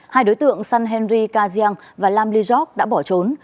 hai đối tượng san henry kajian và lam ly joc đã bỏ trốn